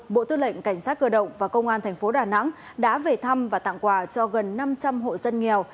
bộ tư lệnh cảnh sát cơ động và công an thành phố đà nẵng đã về thăm và tặng quà cho gần năm trăm linh hộ dân nghèo